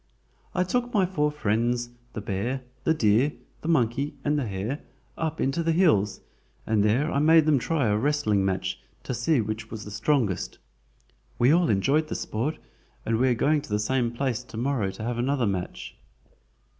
"I took my four friends, the bear, the deer, the monkey, and the hare, up into the hills, and there I made them try a wrestling match, to see which was the strongest. We all enjoyed the sport, and are going to the same place to morrow to have another match."